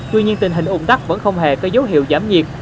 tuy nhiên tình hình ủng tắc vẫn không hề có dấu hiệu giảm nhiệt